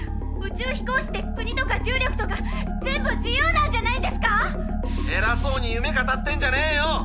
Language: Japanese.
宇宙飛行士って国とか重力とか全部自由なんじゃないんですか⁉えらそうに夢語ってんじゃねえよ。